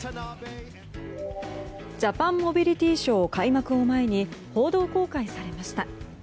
ジャパンモビリティショー開幕を前に報道公開されました。